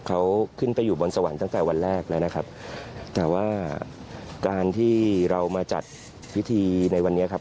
เขาขึ้นไปอยู่บนสวรรค์ตั้งแต่วันแรกแล้วนะครับแต่ว่าการที่เรามาจัดพิธีในวันนี้ครับ